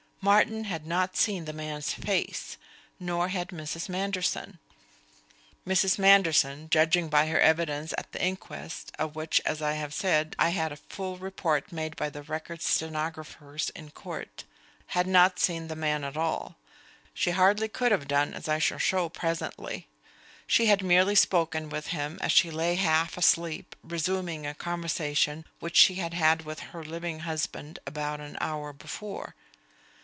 Martin had not seen the man's face; nor had Mrs. Manderson. Mrs. Manderson (judging by her evidence at the inquest, of which, as I have said, I had a full report made by the Record stenographers in court) had not seen the man at all. She hardly could have done, as I shall show presently. She had merely spoken with him as she lay half asleep, resuming a conversation which she had had with her living husband about an hour before.